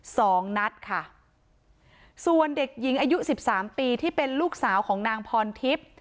สองนัดค่ะส่วนเด็กหญิงอายุสิบสามปีที่เป็นลูกสาวของนางพรทิพย์